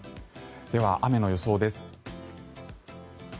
では雨の予想です。